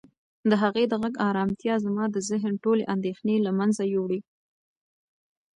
د هغې د غږ ارامتیا زما د ذهن ټولې اندېښنې له منځه یووړې.